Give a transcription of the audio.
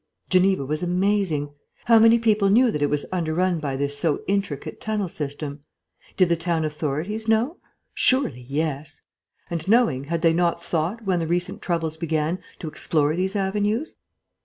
Geneva was amazing. How many people knew that it was under run by this so intricate tunnel system? Did the town authorities know? Surely yes. And, knowing, had they not thought, when the recent troubles began, to explore these avenues?